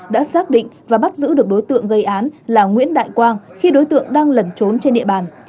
đã xác định và bắt giữ được đối tượng gây án là nguyễn đại quang khi đối tượng đang lẩn trốn trên địa bàn